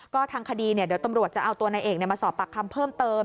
ก็ทางคดีเดี๋ยวตำรวจจะเอาตัวนายเอกมาสอบปากคำเพิ่มเติม